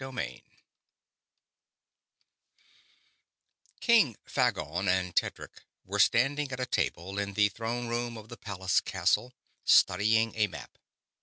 King Phagon and Tedric were standing at a table in the throne room of the palace castle, studying a map.